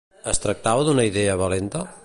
Es tractava d'una idea valenta?